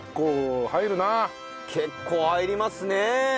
結構入りますね。